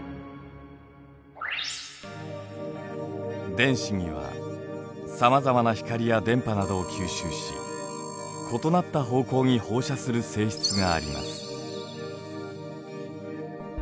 電子にはさまざまな光や電波などを吸収し異なった方向に放射する性質があります。